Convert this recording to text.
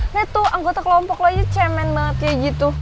lihat tuh anggota kelompok lo ini cemen banget kayak gitu